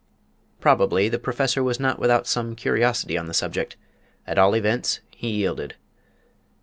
Probably the Professor was not without some curiosity on the subject; at all events he yielded.